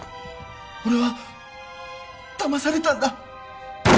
俺はだまされたんだ